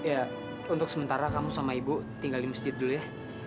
ya untuk sementara kamu sama ibu tinggal di masjid dulu ya